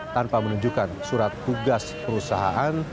tanpa menunjukkan surat tugas perusahaan